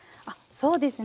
そうですね。